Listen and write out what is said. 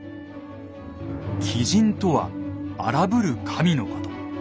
「鬼神」とは荒ぶる神のこと。